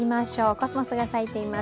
コスモスが咲いています。